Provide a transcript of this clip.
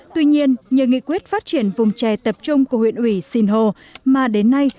tuy nhiên nhờ nghị quyết phát triển vùng trẻ tập trung của huyện ủy sìn hồ mà đến nay